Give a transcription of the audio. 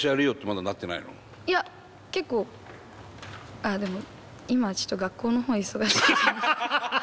ああでも今はちょっと学校の方忙しくて。